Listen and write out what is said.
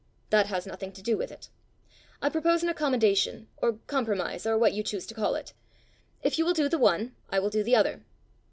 "That has nothing to do with it. I propose an accommodation, or compromise, or what you choose to call it: if you will do the one, I will do the other."